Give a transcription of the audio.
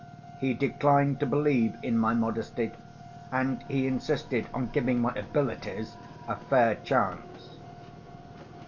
He declined to believe in my modesty; and he insisted on giving my abilities a fair chance.